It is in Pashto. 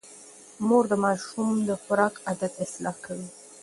مور د ماشوم د خوراک عادت اصلاح کوي.